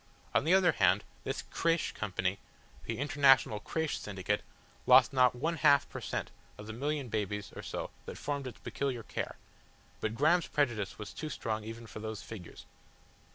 On the other hand this crèche company, the International Crèche Syndicate, lost not one half per cent, of the million babies or so that formed its peculiar care. But Graham's prejudice was too strong even for those figures.